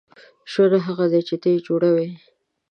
• ژوند هغه دی چې ته یې جوړوې.